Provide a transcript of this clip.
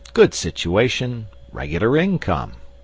Good situation. Regular income.